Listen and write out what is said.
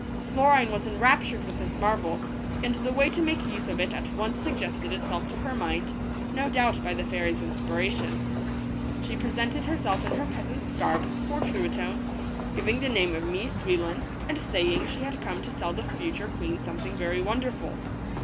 Florine was enraptured with this marvel, and the way to make use of it at once suggested itself to her mind, no doubt by the fairy's inspiration. She presented herself in her peas ant's garb before Truitonne, giving the name of Mie Souil lon and saying she had come to sell the future queen something very wonderful.